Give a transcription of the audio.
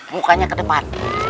mukanya ke depan